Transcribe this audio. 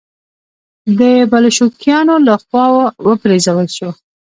د بلشویکانو له خوا و پرځول شو.